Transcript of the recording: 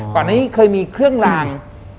ก่อนนี้เคยมีเครื่องลาง